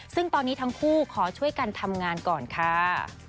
ซึ่งตอนนี้ทั้งคู่ขอช่วยกันทำงานก่อนค่ะ